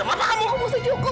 aku mau sediuk aku mau